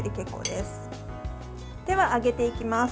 では、揚げていきます。